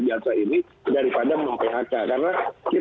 jadi kita harus mengambil waktu untuk menjaga kemampuan kerjaan